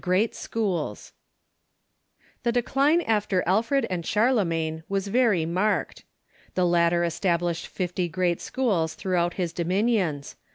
above.] The decline after Alfred and Charlemagne was very marked. The latter established fifty great schools throughout his domin ions.